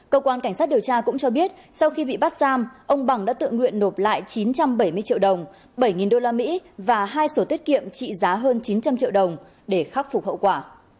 cơ quan cảnh sát điều tra cũng cho biết sau khi bị bắt giam ông bằng đã tự nguyện nộp lại chín trăm bảy mươi triệu đồng bảy usd và hai sổ tiết kiệm trị giá hơn chín trăm linh triệu đồng để khắc phục hậu quả